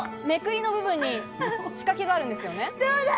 めくりの部分に仕掛けがあるんですよね？